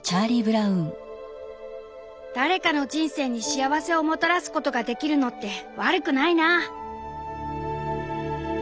「誰かの人生に幸せをもたらすことができるのって悪くないな！」。